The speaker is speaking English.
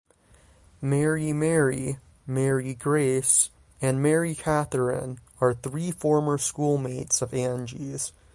Mary Mary; Mary Grace; and Mary Katherine are three former school mates of Angie's.